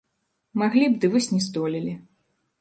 Маглі б, ды вось не здолелі.